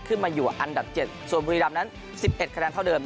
ขึ้นมาอยู่อันดับ๗ส่วนบุรีรำนั้น๑๑คะแนนเท่าเดิม